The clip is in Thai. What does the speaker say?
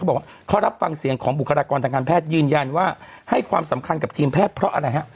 บอกว่าเขารับฟังเสียงของบุคลากรทางการแพทย์ยืนยันว่าให้ความสำคัญกับทีมแพทย์เพราะอะไรฮะ